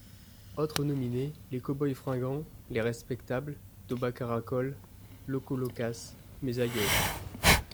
Autres nominés: les Cowboys Fringants, les Respectables, DobaCaracol, Loco Locass, Mes Aïeux.